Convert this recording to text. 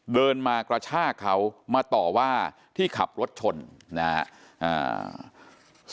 เดินมากระชากเขามาต่อว่าที่ขับรถชนนะครับ